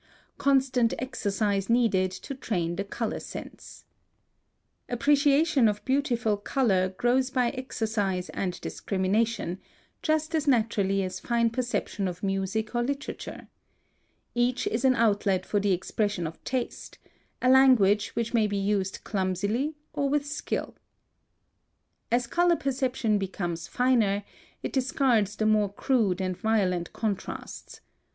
+Constant exercise needed to train the color sense.+ (175) Appreciation of beautiful color grows by exercise and discrimination, just as naturally as fine perception of music or literature. Each is an outlet for the expression of taste, a language which may be used clumsily or with skill. (176) As color perception becomes finer, it discards the more crude and violent contrasts.